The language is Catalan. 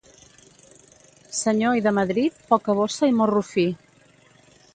Senyor i de Madrid poca bossa i morro fi